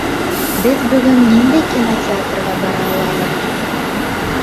Беҙ бөгөн ниндәй кинотеатрға бара алабыҙ?